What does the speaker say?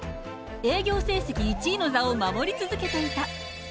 営業成績１位の座を守り続けていた。